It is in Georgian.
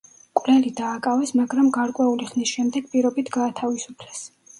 მკვლელი დააკავეს, მაგრამ გარკვეული ხნის შემდეგ პირობით გაათავისუფლეს.